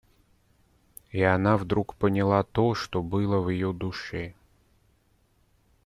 И она вдруг поняла то, что было в ее душе.